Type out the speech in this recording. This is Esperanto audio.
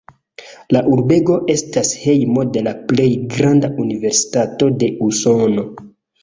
La urbego estas hejmo de la plej granda universitato de Usono.